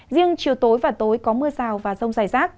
riêng chiều tối và tối có mưa rào và rông dài rác